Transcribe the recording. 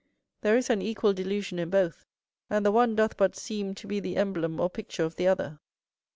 There is an equal delusion in both; and the one doth but seem to be the emblem or picture of the other.